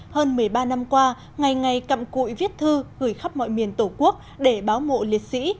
hơn một mươi ba năm qua ngày ngày cặm cụi viết thư gửi khắp mọi miền tổ quốc để báo mộ liệt sĩ